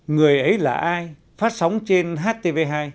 người ấy là ai phát sóng trên htv hai